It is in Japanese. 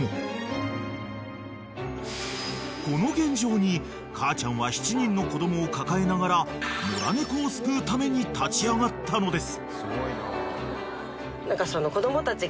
［この現状に母ちゃんは７人の子供を抱えながら野良猫を救うために立ち上がったのです］